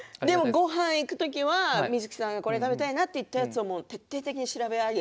ごはんに行く時には観月さんがこれを食べたいなと言ったものを徹底的に調べ上げ。